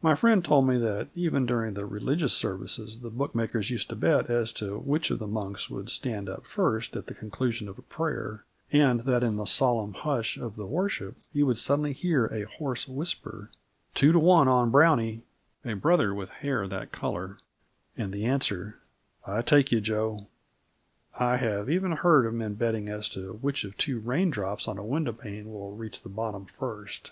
My friend told me that even during the religious services the bookmakers used to bet as to which of the monks would stand up first at the conclusion of a prayer, and that in the solemn hush of the worship he would suddenly hear a hoarse whisper: "Two to one on Brownie" a brother with hair of that colour and the answer: "I take you, Joe." I have even heard of men betting as to which of two raindrops on a window pane will reach the bottom first.